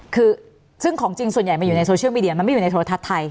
คือซึ่งของจริงส่วนใหญ่มันอยู่ในโซเชียลมีเดียมันไม่อยู่ในโทรทัศน์ไทย